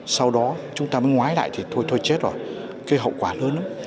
sau đó chúng ta mới ngoái lại thì thôi chết rồi cái hậu quả lớn lắm